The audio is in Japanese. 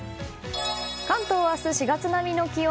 関東明日、４月並みの気温。